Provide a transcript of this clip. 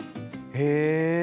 へえ。